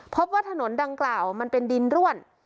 พบว่าถนนดังกล่าวมันเป็นดินร่วน